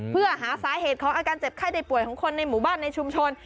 เพื่อหาสาเหตุของอาการเจ็บไข้ได้ป่วยของคนในหมู่บ้านในชุมชน